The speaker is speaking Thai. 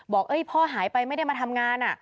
บอกพ่อหายไปไม่ได้มาทำงาน